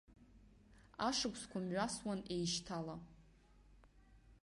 Ашықәсқәа мҩасуан еишьҭала.